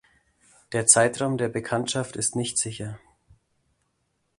Der Zeitraum der Bekanntschaft ist nicht sicher.